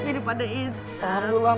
daripada insya allah